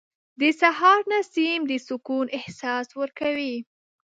• د سهار نسیم د سکون احساس ورکوي.